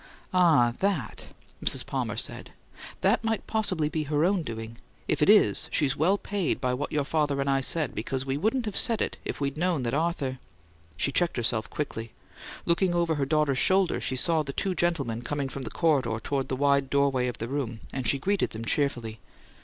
"Ah, that," Mrs. Palmer said, "that might possibly be her own doing. If it is, she's well paid by what your father and I said, because we wouldn't have said it if we'd known that Arthur " She checked herself quickly. Looking over her daughter's shoulder, she saw the two gentlemen coming from the corridor toward the wide doorway of the room; and she greeted them cheerfully.